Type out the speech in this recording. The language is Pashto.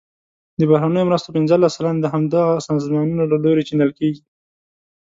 د بهرنیو مرستو پنځلس سلنه د همدغه سازمانونو له لوري چینل کیږي.